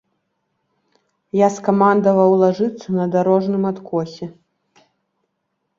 Я скамандаваў лажыцца на дарожным адкосе.